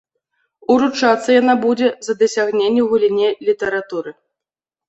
Уручацца яна будзе за дасягненні ў галіне літаратуры.